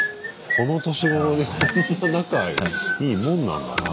この年頃でこんな仲いいもんなんだな。